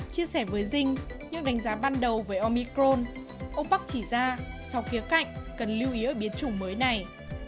chia sẻ với dinh những đánh giá ban đầu với omicron ông park chỉ ra sau kía cạnh cần lưu ý ở biến chủng mới này